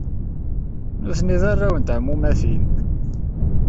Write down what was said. Nitni d arraw n teɛmumatin.